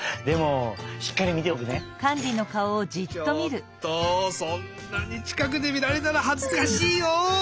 ちょっとそんなにちかくでみられたらはずかしいよ！